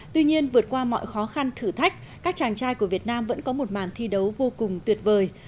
tuy nhiên vượt qua mọi khó khăn thử thách các chàng trai của việt nam vẫn có một màn thi đấu vô cùng tuyệt vời